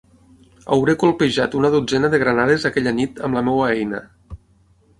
Hauré colpejat una dotzena de granades aquella nit amb la meva eina.